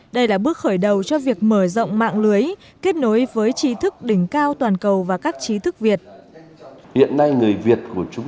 đây là bước khởi đầu cho việc mở rộng mạng lưới kết nối với trí thức đỉnh cao toàn cầu và các trí thức việt